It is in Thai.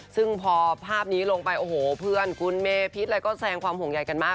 ซึ่งพอภาพนี้ลงไปโอ้โหเพื่อนคุณเมพิษอะไรก็แสงความห่วงใยกันมาก